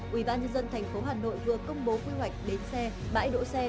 quỹ ban dân dân thành phố hà nội vừa công bố quy hoạch đến xe bãi đổ xe